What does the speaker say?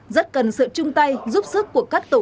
rất cần sự chung tay giúp sức của các lực lượng